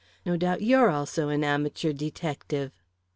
No doubt you're also an amateur detective."